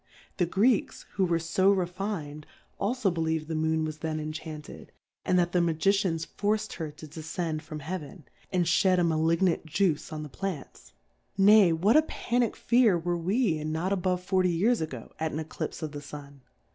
The Greeks^ who were fo refinM alfo, D believ'd 5*0 Difcourfes on the believM the Moon was then enchanted, and that the Magicians forc'd her to defcend from Heaven, and (hed a ma lignant Juice on the Plants : Nay, what a pannick fear were we in not above 40 Years ago, at an Eclipfe of the Sun?